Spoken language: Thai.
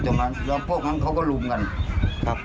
รถไปรบหยุดตรงนั้นพวกนั้นเขาก็รุมกันครับ